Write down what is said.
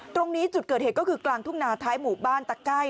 ตรงนี้จุดเกิดเหตุก็คือกลางทุ่งนาท้ายหมู่บ้านตะไก้